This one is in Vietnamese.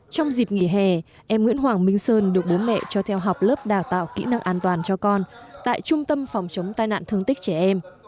trong dịp nghỉ hè em nguyễn hoàng minh sơn được bố mẹ cho theo học lớp đào tạo kỹ năng an toàn cho con tại trung tâm phòng chống tai nạn thương tích trẻ em